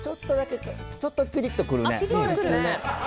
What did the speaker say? ちょっとピリッと来るね。